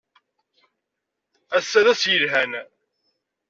Ass-a d ass yelhan.